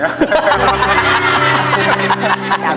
อุ๊ยร้อนอย่าแซม